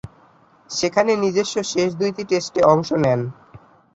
সেখানে নিজস্ব শেষ দুই টেস্টে অংশ নেন।